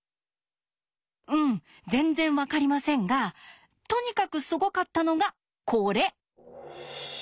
うん全然分かりませんがとにかくすごかったのがこれ。